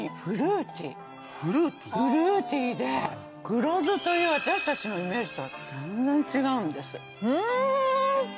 フルーティで黒醋という私たちのイメージとは全然違うんです。